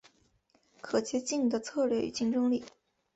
可借镜的策略与竞争力